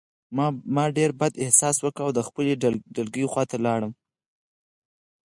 ما ډېر بد احساس وکړ او د خپلې ډلګۍ خواته لاړم